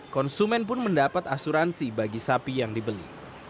konsumen pun mendapat asuransi bagi sapi yang dibeli